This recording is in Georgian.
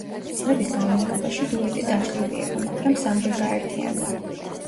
წლების განმავლობაში დუეტი დაშლილი იყო, მაგრამ სამჯერ გაერთიანდა.